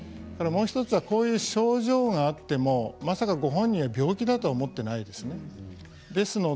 もう１つはこういう症状があってもまさかご本人は病気だと思っていないです。